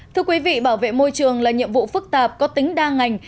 thưa quý vị bảo vệ môi trường là nhiệm vụ phức tạp có tính đa ngành